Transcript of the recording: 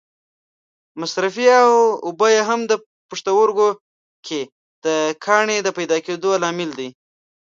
مصرفې اوبه هم په پښتورګو کې د کاڼې د پیدا کېدو لامل دي.